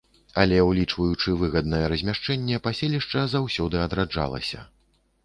Але, улічваючы выгаднае размяшчэнне, паселішча заўсёды адраджалася.